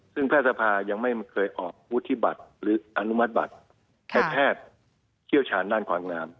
ซึ่งแพทย์สภายังไม่เคยออกวุฒิบัตรหรืออนุมัติบัตรให้แพทย์เชี่ยวชาญด้านความงาม